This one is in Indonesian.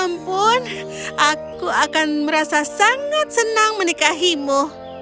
ampun aku akan merasa sangat senang menikahimu